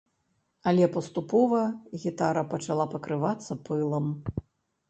Але паступова гітара пачала пакрывацца пылам.